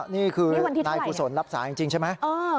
นี่คือนายกุศลรับสายจริงใช่ไหม